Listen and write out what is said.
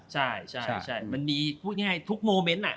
ใช่มันมีพูดง่ายทุกโมเมนต์